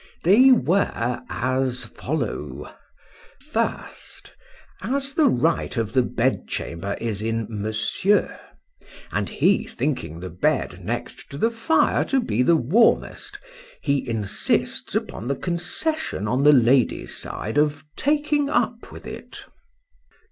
They were as follow:— First, as the right of the bed chamber is in Monsieur,—and he thinking the bed next to the fire to be the warmest, he insists upon the concession on the lady's side of taking up with it.